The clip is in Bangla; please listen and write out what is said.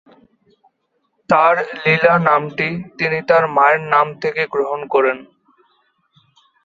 তার "লীলা" নামটি তিনি তার মায়ের নাম থেকে গ্রহণ করেন।